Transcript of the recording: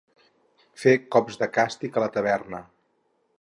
Fer cops de càstig a la taverna.